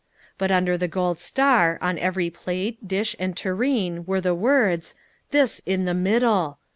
But under the gold star, on every plate, dish and tureen were the words, "THIS IN THE MIDDLE!"